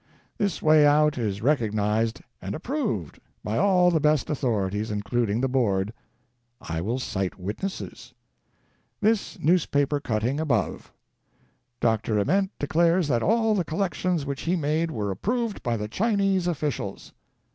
This way out is recognized and approved by all the best authorities, including the Board. I will cite witnesses. The newspaper cutting, above : "Dr. Ament declares that all the collections which he made were approved by the Chinese offi cials."